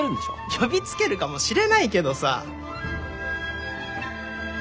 呼びつけるかもしれないけどさ！